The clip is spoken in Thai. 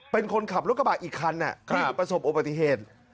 เป็นคนขับรถกระบะอีกคันที่ประสบอุบัติเหตุ